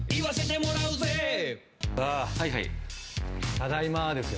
ただいまですよ。